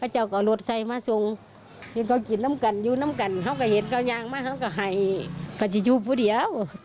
เห็นใจสามารถทั้งสองคนพร้อมกันเลย